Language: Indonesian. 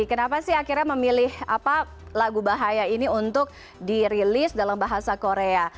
kenapa sih akhirnya memilih lagu bahaya ini untuk dirilis dalam bahasa korea